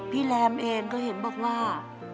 แรมเองก็เห็นบอกว่า